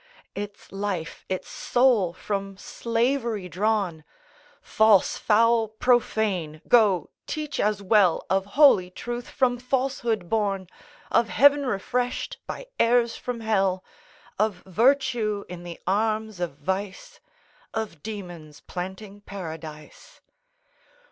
Its life, its soul, from slavery drawn! False, foul, profane! Go, teach as well Of holy Truth from Falsehood born! Of Heaven refreshed by airs from Hell! Of Virtue in the arms of Vice! Of Demons planting Paradise!